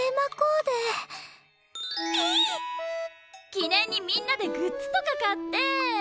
記念にみんなでグッズとか買って。